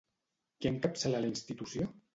Qui encapçala la institució?